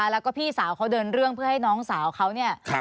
แล้วก็พี่สาวเขาเดินเรื่องเพื่อให้น้องสาวเขาเนี่ย